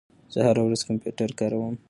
زه هره ورځ کمپیوټر کاروم.